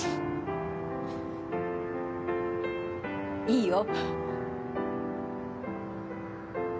いいよ。